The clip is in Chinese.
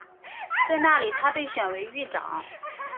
在那里他被选为狱长。